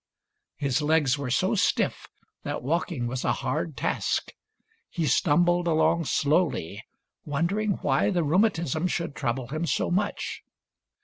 His legs were so stiff that walking was a hard task. He stumbled along slowly, wondering why the rheumatism should trouble him so much.